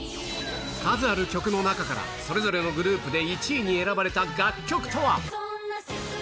数ある曲の中から、それぞれのグループで１位に選ばれた楽曲とは。